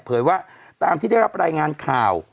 ว่าตามที่ได้รับรายงานข่าว